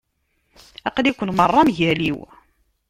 Aql-iken merra mgal-iw.